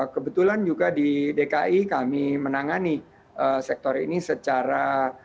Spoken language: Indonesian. kebetulan juga di dki kami menangani sektor ini secara